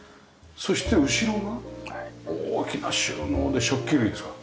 そして後ろが大きな収納で食器類ですか？